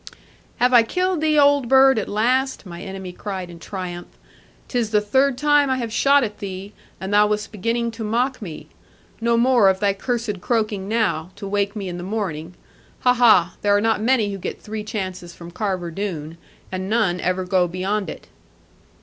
'Have I killed thee, old bird, at last?' my enemy cried in triumph; ''tis the third time I have shot at thee, and thou wast beginning to mock me. No more of thy cursed croaking now, to wake me in the morning. Ha, ha! there are not many who get three chances from Carver Doone; and none ever go beyond it.'